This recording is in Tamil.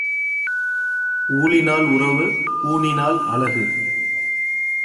ஊணினால் உறவு பூணினால் அழகு.